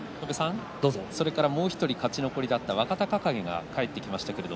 それから、もう１人勝ち残りだった若隆景が帰ってきました。